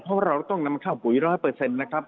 เพราะเราต้องนำข้าวปุ๋ย๑๐๐นะครับ